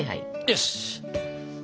よし！